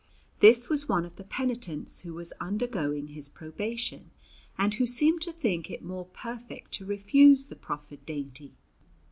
This was one of the penitents who was undergoing his probation and who seemed to think it more perfect to refuse the proffered dainty.